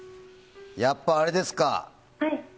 やっぱ、あれですか。